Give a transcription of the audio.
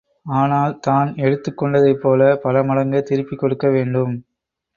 ஆனால் தான் எடுத்துக் கொண்டதைப் போலப் பலமடங்கு திருப்பிக் கொடுக்க வேண்டும்.